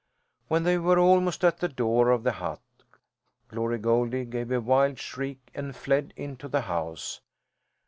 When they were almost at the door of the hut Glory Goldie gave a wild shriek, and fled into the house.